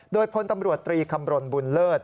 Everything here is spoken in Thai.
โดยพลตำรวจตรีคำรณบุญเลิศ